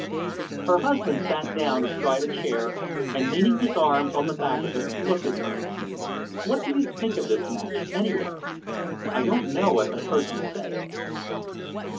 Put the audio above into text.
Her husband sat down astride a chair, and leaning his arms on the back of it, looked at her. "What do you think of this match, anyway? I don't know as I've heard you say."